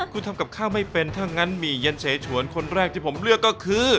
คุณทำกับข้าวไม่เป็นถ้างั้นหมี่เย็นเสฉวนคนแรกที่ผมเลือกก็คือ